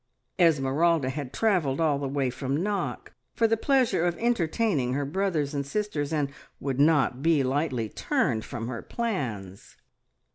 Esmeralda had travelled all the way from Knock for the pleasure of entertaining her brothers and sisters, and would not be lightly turned from her plans.